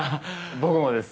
僕もです。